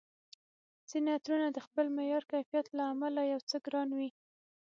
ځیني عطرونه د خپل معیار، کیفیت له امله یو څه ګران وي